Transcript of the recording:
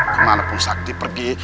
kemana pun sakti pergi